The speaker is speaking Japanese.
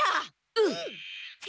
うん！